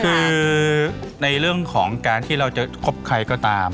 คือในเรื่องของการที่เราจะคบใครก็ตาม